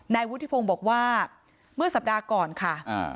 นายวุฒิพงศ์บอกว่าเมื่อสัปดาห์ก่อนค่ะ